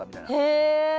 へえ！